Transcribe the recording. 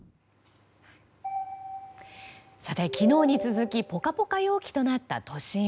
昨日に続きポカポカ陽気となった都心。